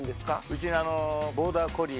うちの。